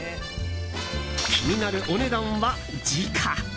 気になるお値段は時価！